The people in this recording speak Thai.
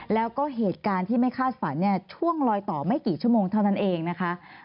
แล้วก็เหตุการณ์ที่ไม่คาดฝันช่วงลอยต่อไม่กี่ชั่วโมงเท่านั้นเองนะคะ